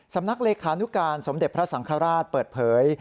สำนักเลขานุการสมเด็จพระสังฆราชเปิดเผย